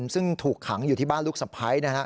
ซึ่งถูกขังอยู่ที่บ้านลูกสะพ้าย